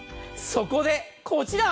そこでこちら。